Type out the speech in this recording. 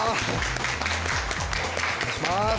おお願いします。